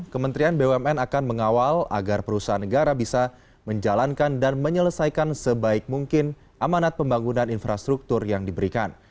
kementerian bumn akan mengawal agar perusahaan negara bisa menjalankan dan menyelesaikan sebaik mungkin amanat pembangunan infrastruktur yang diberikan